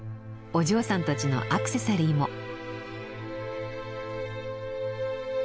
お嬢さんたちのアクセサリーも！